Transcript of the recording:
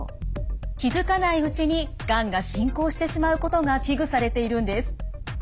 気づかないうちにがんが進行してしまうことが危惧されているんです。